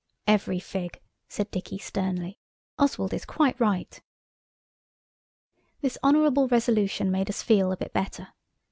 "Every fig," said Dicky sternly. "Oswald is quite right." This honourable resolution made us feel a bit better.